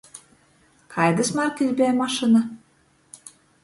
Kaidys markys beja mašyna?